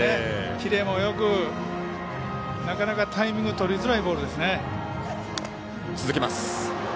キレもよく、なかなかタイミングとりづらいボールですね。